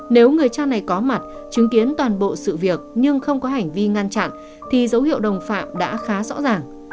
nếu người cha này có mặt chứng kiến toàn bộ sự việc nhưng không có hành vi ngăn chặn thì dấu hiệu đồng phạm đã khá rõ ràng